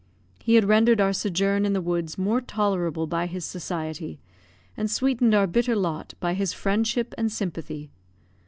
He had rendered our sojourn in the woods more tolerable by his society, and sweetened our bitter lot by his friendship and sympathy.